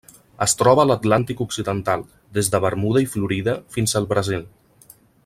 Es troba a l'Atlàntic occidental: des de Bermuda i Florida fins al Brasil.